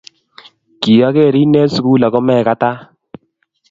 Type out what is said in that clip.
Kiakeren en sukul ako mekatan